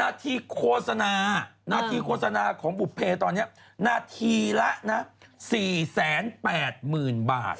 นาทีโฆษณานาทีโฆษณาของบุภเพตอนนี้นาทีละนะ๔๘๐๐๐บาท